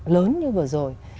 lớn như vừa rồi